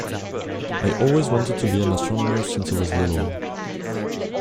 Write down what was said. I always wanted to be an astronomer since I was little.